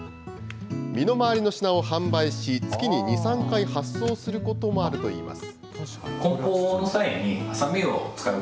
身の回りの品を販売し、月に２、３回発送することもあるといいます。